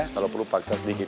kalau perlu paksa sedikit